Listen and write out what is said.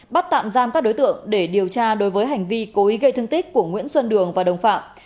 bắt tạm giam các đối tượng để điều tra đối với hành vi cố ý gây thương tích của nguyễn xuân đường và đồng phạm